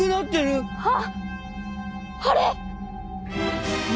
あっあれ。